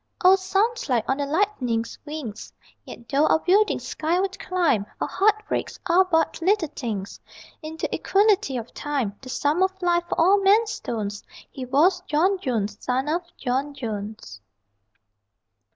O sunlight on the Lightning's wings! Yet though our buildings skyward climb Our heartbreaks are but little things In the equality of Time. The sum of life, for all men's stones: He was John Jones, son of John Jones.